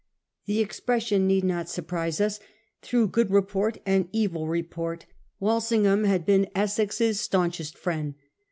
The expression need not surprise us. Through good report and evil report Walsingham had been Essex's staunchest friend.